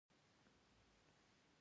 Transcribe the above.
راماینا د هند بله لویه حماسه ده.